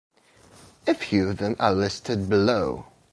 A few of them are listed below.